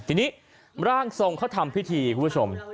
ทีนี้ร่างทรงเขาทำพิธีคุณผู้ชม